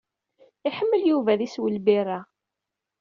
Iḥemmel Yuba ad isew lbirra.